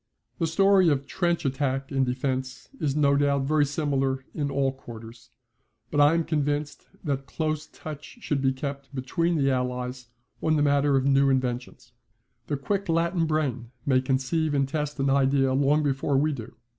The story of trench attack and defence is no doubt very similar in all quarters, but I am convinced that close touch should be kept between the Allies on the matter of new inventions. The quick Latin brain may conceive and test an idea long before we do.